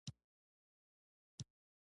کرار ارام ویده شه !